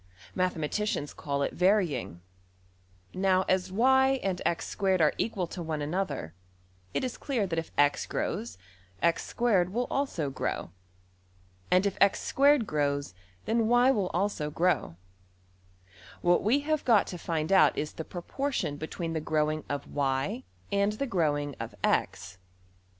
Mathematicians call it \emph{varying}. Now as $y$~and~$x^2$ are equal to one another, it is clear that if $x$~grows, $x^2$~will also grow. And if $x^2$~grows, then $y$~will also grow. What we have got to find out is the proportion between the growing of~$y$ and the growing of~$x$.